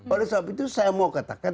oleh sebab itu saya mau katakan